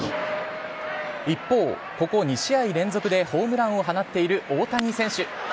一方、ここ２試合連続でホームランを放っている大谷選手。